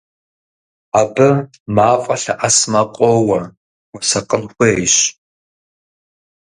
Абы мафӀэ лъэӀэсмэ къоуэ, хуэсакъын хуейщ!